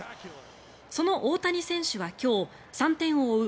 その大谷選手は今日３点を追う